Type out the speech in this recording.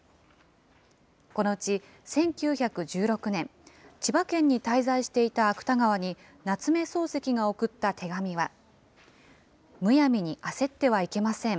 このうち１９１６年、千葉県に滞在していた芥川に、夏目漱石が送った手紙は、むやみに焦ってはいけません。